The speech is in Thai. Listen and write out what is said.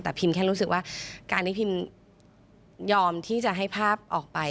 แต่พิมแค่รู้สึกว่าการที่พิมยอมที่จะให้ภาพออกไป